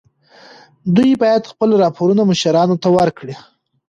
دوی باید خپل راپورونه مشرانو ته ورکړي.